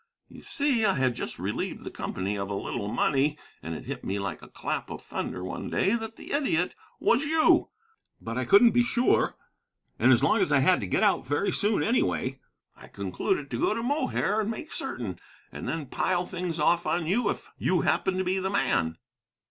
You see, I had just relieved the company of a little money, and it hit me like a clap of thunder one day that the idiot was you. But I couldn't be sure. And as long as I had to get out very soon anyway, I concluded to go to Mohair and make certain, and then pile things off on you if you happened to be the man.'"